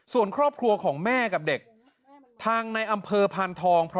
ส่วนครอบครัวของแม่กับเด็กทางในอำเภอพานทอง